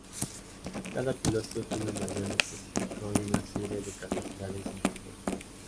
Cada piloto tiene un avión específico y una serie de capacidades individuales.